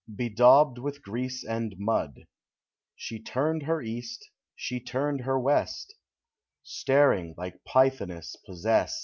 Bedaubed with grease and mud. She turned her East, she turned her West, Staring like Pythoness possest